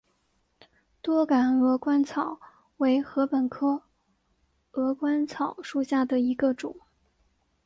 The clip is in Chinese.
多秆鹅观草为禾本科鹅观草属下的一个种。